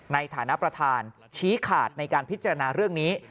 ในฐานะประธานชี้ขาดในการพิจารณาเรื่องนี้